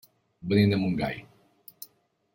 Venim de Montgai.